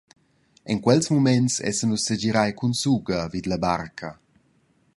En quels muments essan nus segirai cun suga vid la barca.